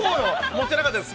◆持ってなかったです。